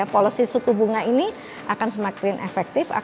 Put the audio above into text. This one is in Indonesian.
policy suku bunga ini akan semakin efektif